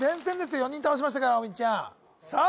４人倒しましたから大道ちゃんさあ